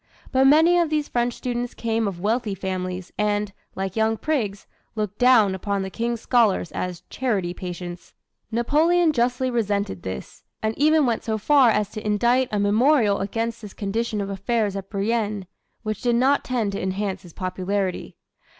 But many of these French students came of wealthy families and, like young prigs, looked down upon the King's scholars as "charity patients." Napoleon justly resented this; and even went so far as to indite a memorial against this condition of affairs at Brienne which did not tend to enhance his popularity.